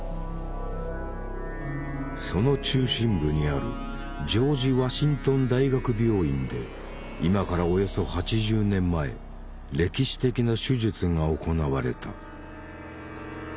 その中心部にあるジョージ・ワシントン大学病院で今からおよそ８０年前歴史的な手術が行われた。